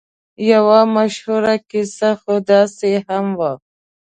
یوه مشهوره کیسه خو داسې هم وه.